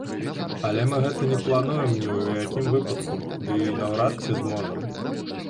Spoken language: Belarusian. Але мы гэта не плануем ні ў якім выпадку, ды і наўрад ці зможам.